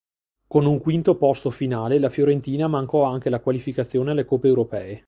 Con un quinto posto finale la Fiorentina mancò anche la qualificazione alle coppe europee.